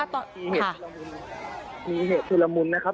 มีเหตุทุลมวลนะครับอยู่บริเวณแยกตันสโยชน์ผิดนะครับ